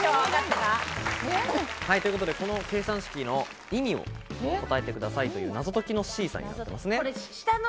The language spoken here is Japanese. この計算式の意味を答えてくださいという謎解きのシーサーになってます。